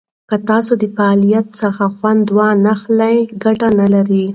که تاسو د فعالیت څخه خوند نه واخلئ، ګټه نه لري.